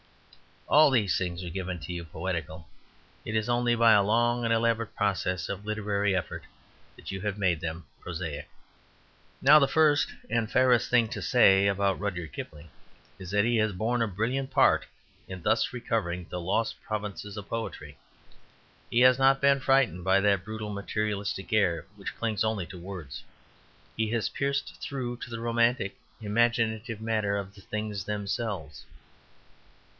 All these things were given to you poetical. It is only by a long and elaborate process of literary effort that you have made them prosaic. Now, the first and fairest thing to say about Rudyard Kipling is that he has borne a brilliant part in thus recovering the lost provinces of poetry. He has not been frightened by that brutal materialistic air which clings only to words; he has pierced through to the romantic, imaginative matter of the things themselves.